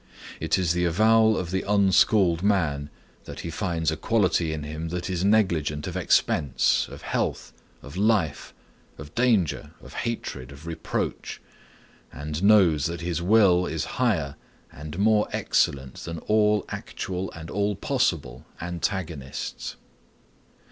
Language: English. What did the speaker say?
It is the avowal of the unschooled man that he finds a quality in him that is negligent of expense, of health, of life, of danger, of hatred, of reproach, and knows that his will is higher and more excellent than all actual and all possible antagonists.